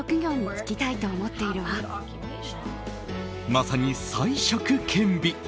まさに才色兼備。